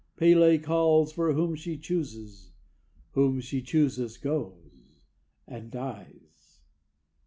P├®l├® calls for whom she chooses whom she chooses goes, and dies.